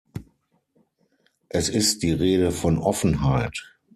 Es ist die Rede von Offenheit.